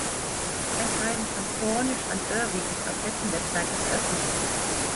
Ein Schreiben von Cornish an Irving ist auf dessen Website veröffentlicht.